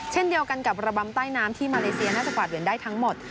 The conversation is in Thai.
เช่นเดียวกันกับระบำใต้น้ำที่มาเลเซียน่าจะกวาดเหรียญได้ทั้งหมด